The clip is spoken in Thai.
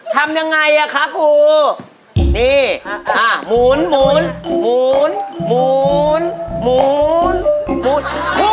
ทำยังไงอ่ะคะครูนี่อ่ะหมุนหมุนหมุนหมุนหมุนหมุน